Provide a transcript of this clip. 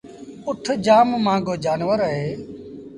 اُٺ جآم مآݩگو جآنور اهي